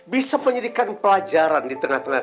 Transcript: bisa menjadikan pelajaran di tengah tengah